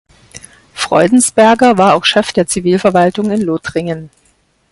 Freudensberger war auch Chef der Zivilverwaltung in Lothringen.